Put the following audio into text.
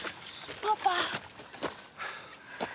パパ。